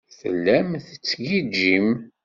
Tellam tettgijjim.